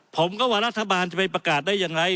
ผมก็ว่ารัฐบาลจะไปประกาศได้อย่างไร